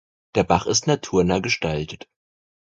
Der Bach ist naturnah gestaltet.